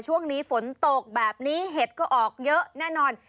ช่วงนี้ฝนตกแบบนี้เห็ดก็ออกเยอะแน่นอน